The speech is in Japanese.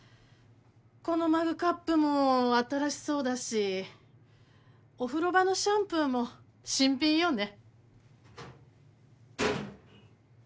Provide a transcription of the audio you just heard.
このマグカップも新しそうだしお風呂場のシャンプーも新品よね。